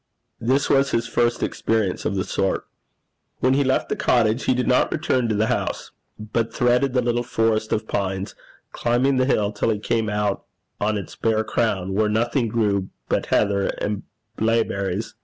This was his first experience of the sort. When he left the cottage, he did not return to the house, but threaded the little forest of pines, climbing the hill till he came out on its bare crown, where nothing grew but heather and blaeberries.